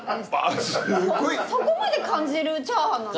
そこまで感じるチャーハンなの？